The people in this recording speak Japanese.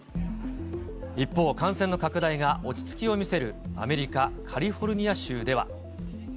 一方、感染の拡大が落ち着きを見せるアメリカ・カリフォルニア州では。